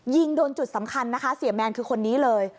ยิงโดนจุดสำคัญนะคะเสียแมนคือคนนี้เลย